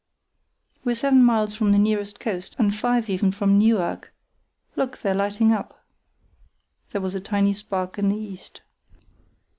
We're seven miles from the nearest coast, and five even from Neuerk—look, they're lighting up." There was a tiny spark in the east.